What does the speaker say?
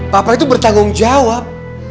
papa itu bertanggung jawab